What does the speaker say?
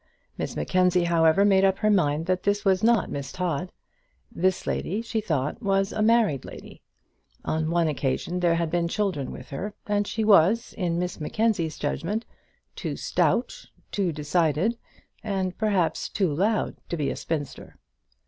Miss Mackenzie, however, made up her mind that this was not Miss Todd. This lady, she thought, was a married lady; on one occasion there had been children with her, and she was, in Miss Mackenzie's judgment, too stout, too decided, and perhaps too loud to be a spinster.